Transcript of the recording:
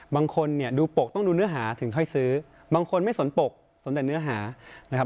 บางคนเนี่ยดูปกต้องดูเนื้อหาถึงค่อยซื้อบางคนไม่สนปกสนแต่เนื้อหานะครับ